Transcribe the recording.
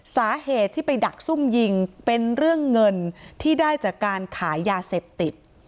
สาเหตุที่ไปดักซุ่มยิงเป็นเรื่องเงินที่ได้จากการขายยาเสพติด